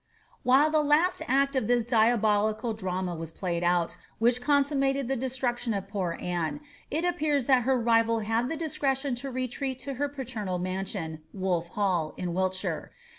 While the last act of that diabolical drama was played out, which eoosununated the destruction of poor Anne, it appears that her rival had the discretion to retreat to her paternal mansion. Wolf Hall, in Wiltshire.